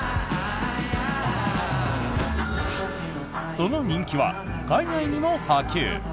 その人気は海外にも波及。